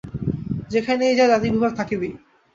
যেখানেই যাও, জাতিবিভাগ থাকিবেই।